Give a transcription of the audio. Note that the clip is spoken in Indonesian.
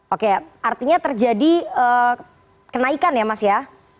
oke artinya terjadi kenaikan ya mas ya